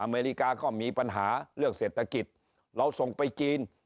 อเมริกาก็มีปัญหาเรื่องเศรษฐกิจเราส่งไปจีน